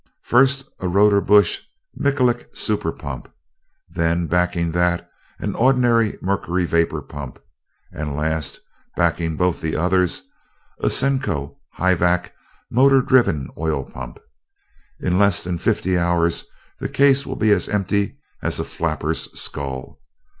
First, a Rodebush Michalek super pump[A] then, backing that, an ordinary mercury vapor pump, and last, backing both the others, a Cenco Hyvac motor driven oil pump. In less than fifty hours that case will be as empty as a flapper's skull.